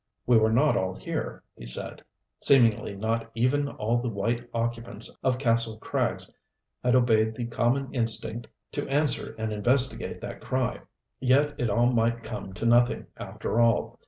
We were not all here, he said seemingly not even all the white occupants of Kastle Krags had obeyed the common instinct to answer and investigate that cry! Yet it all might come to nothing, after all.